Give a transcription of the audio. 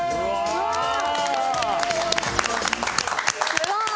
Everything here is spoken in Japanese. すごい！